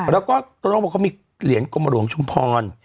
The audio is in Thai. แล้วก็ต้องบอกเขามีเหรียญกรมหลวงชุมพร